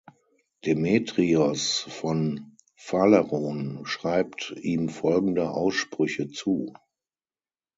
Demetrios von Phaleron schreibt ihm folgende Aussprüche zu.